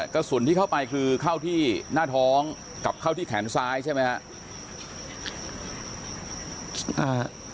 กระสุนที่เข้าไปคือเข้าที่หน้าท้องกับเข้าที่แขนซ้ายใช่ไหมครับ